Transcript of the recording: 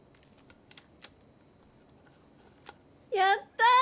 やった！